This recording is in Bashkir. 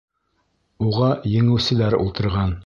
Уға еңеүселәр ултырған.